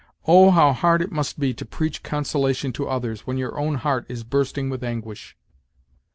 Oh! how hard it must be to preach consolation to others when your own heart is bursting with anguish!"